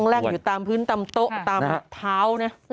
ร่องแรกอยู่ตามพื้นตำโต๊ะตามเท้าเนี่ย